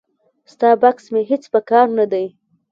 ستا بکس مې هیڅ په کار نه دی.